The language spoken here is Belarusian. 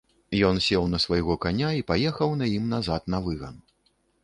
Ён сеў на свайго каня і паехаў на ім назад на выган.